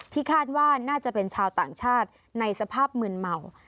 คาดว่าน่าจะเป็นชาวต่างชาติในสภาพมืนเมา